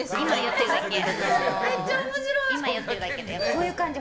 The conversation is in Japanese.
こういう感じ！